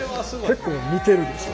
結構似てるでしょ？